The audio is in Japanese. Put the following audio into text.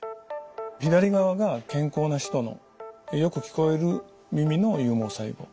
左側が健康な人のよく聞こえる耳の有毛細胞。